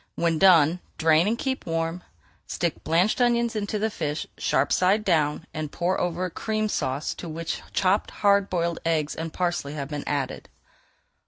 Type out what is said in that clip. When done, drain and keep warm. Stick blanched almonds into the fish, sharp side down, and pour over a Cream Sauce to which chopped hard boiled eggs and parsley have been added.